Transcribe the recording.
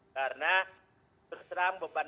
karena terseram beban